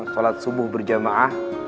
salat subuh berjamaah